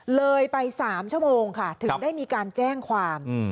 เลยไป๓ชั่วโมงค่ะถึงได้มีการแจ้งความ